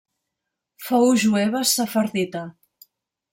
Fou jueva sefardita.